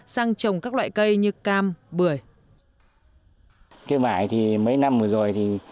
sang trồng các loại cây như cam bưởi